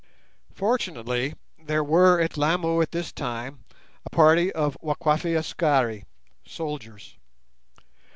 Fortunately there were at Lamu at this time a party of Wakwafi Askari (soldiers).